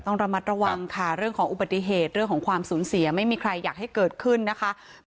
ต้องระมัดระวังค่ะเรื่องของอุบัติเหตุเรื่องของความสูญเสียไม่มีใครอยากให้เกิดขึ้นนะคะ